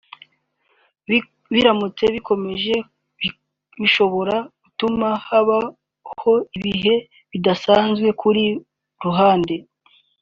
biramutse bikomeje bishobora gutuma habaho ibihe bidasanzwe kuri rubanda